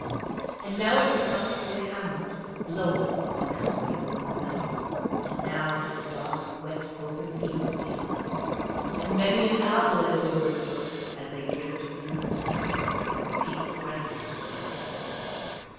And now it would come through a hamlet glowing and comfortable in the night; and now to the dark, wet, open fields again; and many an owl it overtook as they drifted through the night, a people friendly to the Elf folk.